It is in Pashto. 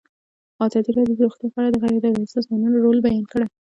ازادي راډیو د روغتیا په اړه د غیر دولتي سازمانونو رول بیان کړی.